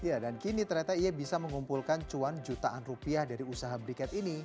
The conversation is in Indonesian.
ya dan kini ternyata ia bisa mengumpulkan cuan jutaan rupiah dari usaha briket ini